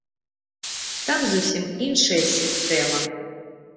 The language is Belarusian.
Там зусім іншая сістэма.